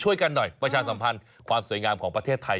กันหน่อยประชาสัมพันธ์ความสวยงามของประเทศไทย